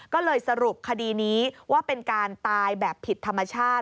ก็เลยสรุปคดีนี้ว่าเป็นการตายแบบผิดธรรมชาติ